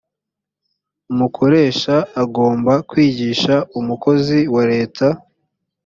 umukoresha agomba kwigisha umukozi wa leta